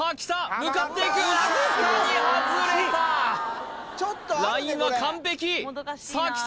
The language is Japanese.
向かっていくわずかに外れたラインは完璧さあきた！